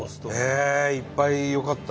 いっぱいよかったなあ